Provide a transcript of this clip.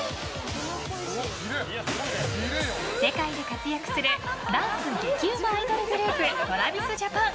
世界で活躍するダンス激うまアイドルグループＴｒａｖｉｓＪａｐａｎ。